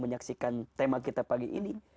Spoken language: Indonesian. menyaksikan tema kita pagi ini